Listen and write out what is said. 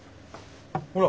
ほら。